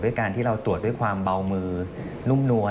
การที่เราตรวจด้วยความเบามือนุ่มนวล